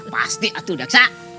pasti atu daksa